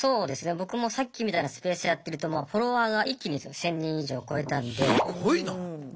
僕もさっきみたいなスペースやってるとフォロワーが一気に１０００人以上超えたので。